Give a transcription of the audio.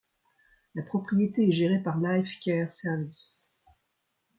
La propriété est gérée par Life Care Services.